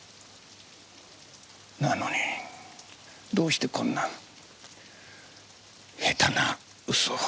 なのにどうしてこんな下手な嘘を。